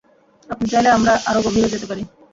আপনি চাইলে আমরা আরো গভীরে যেতে পারি।